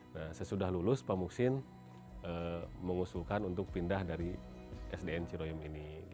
nah sesudah lulus pak muksin mengusulkan untuk pindah dari sdn ciroyom ini